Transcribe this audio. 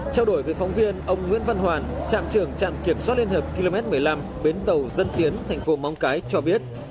trao đổi với phóng viên ông nguyễn văn hoàn trạm trưởng trạm kiểm soát liên hợp km một mươi năm bến tàu dân tiến thành phố móng cái cho biết